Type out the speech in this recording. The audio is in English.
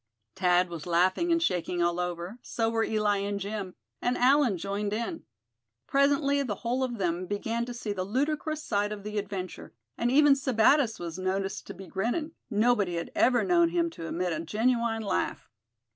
Thad was laughing and shaking all over, so were Eli and Jim; and Allan joined in. Presently the whole of them began to see the ludicrous side of the adventure, and even Sebattis was noticed to be grinning. Nobody had ever known him to emit a genuine laugh.